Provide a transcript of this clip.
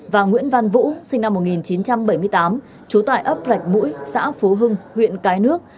và nguyễn văn vũ sinh năm một nghìn chín trăm bảy mươi tám trú tại ấp rạch mũi xã phú hưng huyện cái nước